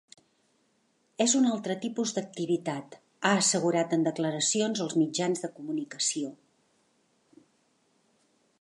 És un altre tipus d’activitat, ha assegurat en declaracions als mitjans de comunicació.